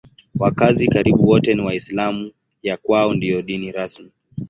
Wakazi karibu wote ni Waislamu; ya kwao ndiyo dini rasmi.